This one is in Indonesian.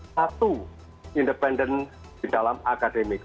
satu independen di dalam akademik